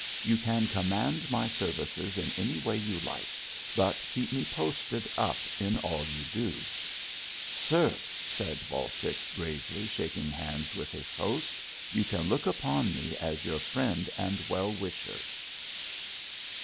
You can command my services in any way you like, but keep me posted up in all you do.' 'Sir!' said Baltic, gravely, shaking hands with his host, 'you can look upon me as your friend and well wisher.'